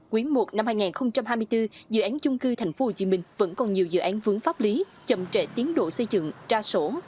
quý i năm hai nghìn hai mươi bốn dự án chung cư tp hcm vẫn còn nhiều dự án vướng pháp lý chậm trệ tiến độ xây dựng tra sổ